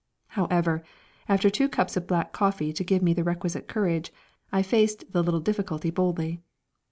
However, after two cups of black coffee to give me the requisite courage, I faced the little difficulty boldly.